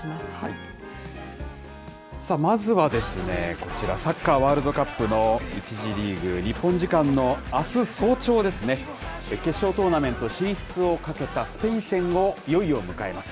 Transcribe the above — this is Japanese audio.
さあ、まずはですね、こちら、サッカーワールドカップの１次リーグ、日本時間のあす早朝ですね、決勝トーナメント進出をかけたスペイン戦をいよいよ迎えます。